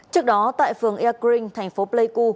trước đó tại phường air green thành phố pleiku